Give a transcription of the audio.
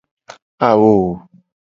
Awo.